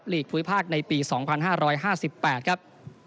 ภูมิภาคในปี๒๕๕๘ครับ